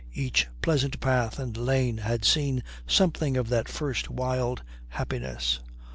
Each pleasant path and lane had seen something of that first wild happiness.